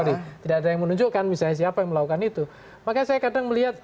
nah ini adalah yang kemudian potensi orang lainnya yang bisa di frame dengan cara apa saja